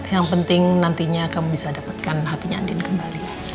yang penting nantinya kamu bisa dapatkan hatinya andin kembali